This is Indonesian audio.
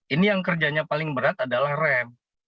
ini yang kerjanya paling berat adalah rem